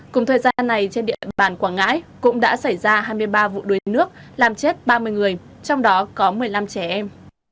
cùng thời gian này trên địa bàn quảng ngãi cũng đã xảy ra hai mươi ba vụ đuối nước làm chết ba mươi người trong đó có một mươi năm trẻ em